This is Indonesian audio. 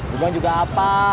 bukan juga apa